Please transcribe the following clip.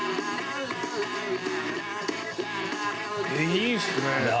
いいですね！